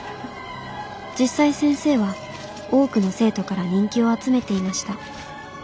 実際先生は多くの生徒から人気を集めていました。